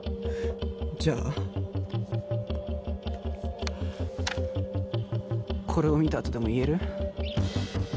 じゃあこれを見たあとでも言える？